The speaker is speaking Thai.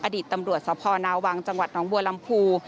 อดีตตำรวจสพนาวังจังหวัดน้องบัวลำพู